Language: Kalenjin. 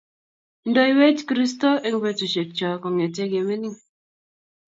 Ndoiwech kristo eng betusiek chog kongete kemining